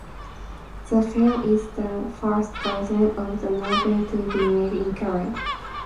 The film is the first version of the novel to be made in color.